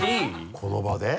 この場で？